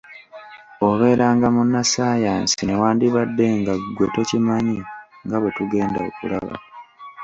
Obeera nga Munnassaayasansi newandibadde nga ggwe tokimanyi nga bwe tugenda okulaba.